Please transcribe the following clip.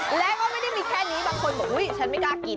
แล้วก็ไม่ได้มีแค่นี้บางคนบอกอุ๊ยฉันไม่กล้ากิน